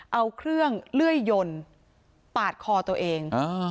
เอาเครื่องเลื่อยยนปาดคอตัวเอง